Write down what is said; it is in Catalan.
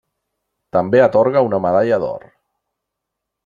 També atorga una Medalla d'Or.